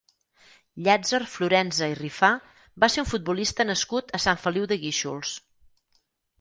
Llàtzer Florenza i Rifà va ser un futbolista nascut a Sant Feliu de Guíxols.